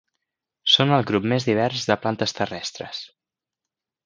Són el grup més divers de plantes terrestres.